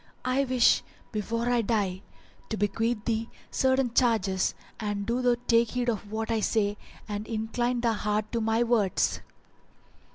I wish, before I die, to bequeath thee certain charges and do thou take heed of what I say and incline thy heart to my words."